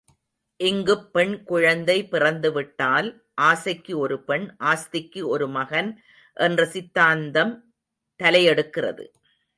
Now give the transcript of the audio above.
இங்குப் பெண் குழந்தை பிறந்துவிட்டால் ஆசைக்கு ஒரு பெண் ஆஸ்திக்கு ஒரு மகன் என்ற சித்தாந்தம் தலையெடுக்கிறது.